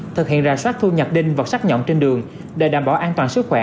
thực hiện ra sát thu nhập đinh và sát nhọn trên đường để đảm bảo an toàn sức khỏe